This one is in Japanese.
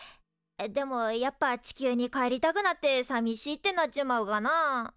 でもやっぱ地球に帰りたくなってさみしいってなっちまうかな？